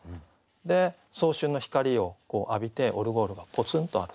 で早春の光を浴びてオルゴールがぽつんとあると。